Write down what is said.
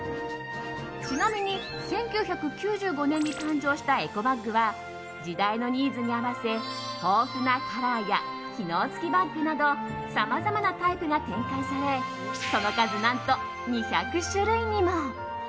ちなみに、１９９５年に誕生したエコバッグは時代のニーズに合わせ豊富なカラーや機能付きバッグなどさまざまなタイプが展開されその数、何と２００種類にも。